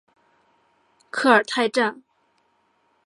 科尔泰站